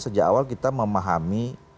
sejak awal kita memahami